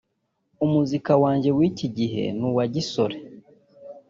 Umuzika wanjye w’iki gihe ni uwagisore